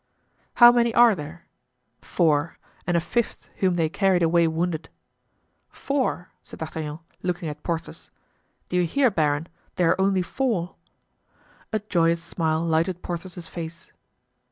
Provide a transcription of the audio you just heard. "How many are there?" "Four, and a fifth whom they carried away wounded." "Four!" said D'Artagnan, looking at Porthos. "Do you hear, baron? They are only four!" A joyous smile lighted Porthos's face.